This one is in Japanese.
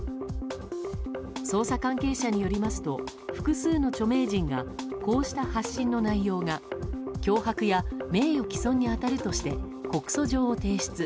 捜査関係者によりますと複数の著名人がこうした発信の内容が脅迫や名誉棄損に当たるとして告訴状を提出。